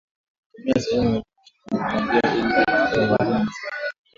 tumia sehemu ya juu ya shina kupandia ili hutoa mavuno mazuri